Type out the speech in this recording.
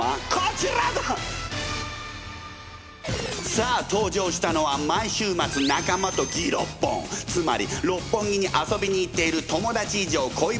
さあ登場したのは毎週末仲間とギロッポンつまり六本木に遊びに行っている友達以上恋人未満の男女。